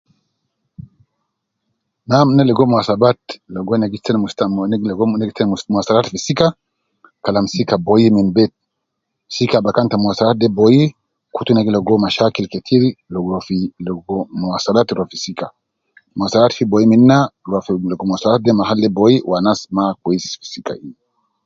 Nam na ligo muwasabat ligo gi kelem mustamil ligo ina gi stamil muwasalat te sika kalam sika boyi min be, sika bakan te muwasalat de boyi, kutu na gi ligo mashakil ketiri logo fi logo muwasalat te rua fi sika, muwasalat fi boyi min na rua fi logo muwasalat de mahal de boyi wu anas ma kwesi fi sika in